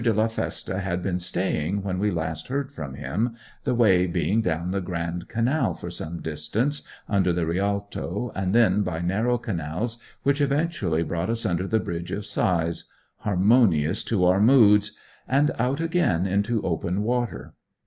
de la Feste had been staying when we last heard from him, the way being down the Grand Canal for some distance, under the Rialto, and then by narrow canals which eventually brought us under the Bridge of Sighs harmonious to our moods! and out again into open water.